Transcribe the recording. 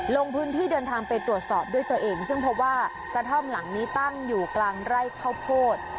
ลงพื้นที่เดินทางไปตรวจสอบด้วยตัวเองซึ่งพบว่ากระท่อมหลังนี้ตั้งอยู่กลางไร่ข้าวโพด